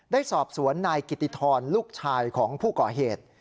ได้สอบสวนนายกิติธรลูกชายของผู้ก่อเหตุ